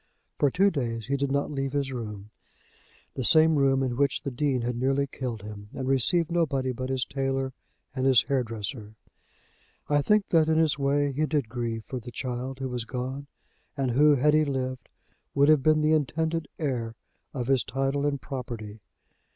For two days he did not leave his room, the same room in which the Dean had nearly killed him, and received nobody but his tailor and his hair dresser. I think that, in his way, he did grieve for the child who was gone, and who, had he lived, would have been the intended heir of his title and property.